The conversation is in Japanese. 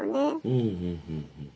うんうんうんうん。